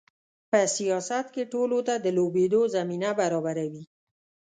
په سیاست کې ټولو ته د لوبېدو زمینه برابروي.